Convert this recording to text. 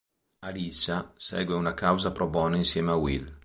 Alicia segue una causa pro bono insieme a Will.